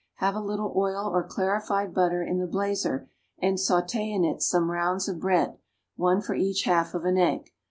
Have a little oil or clarified butter in the blazer, and sauté in it some rounds of bread one for each half of an egg.